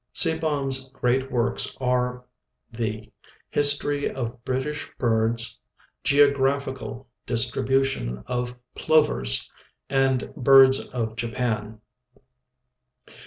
Seebohm's great works are the " History of British Birds," " Geographical Distribu tion of Plovers," and " Birds of Japan."